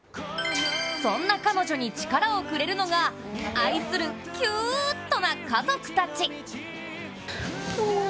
そんな彼女に力をくれるのが愛するキュートな家族たち。